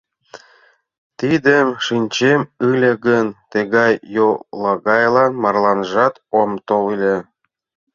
Тидым шинчем ыле гын, тыгай йолагайлан марланжат ом тол ыле.